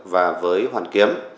và với hoàn kiếm